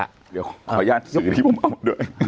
เดี๋ยวขออนุญาตสื่อที่ผมเอาด้วย